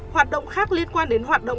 hoạt động khác liên quan đến hoạt động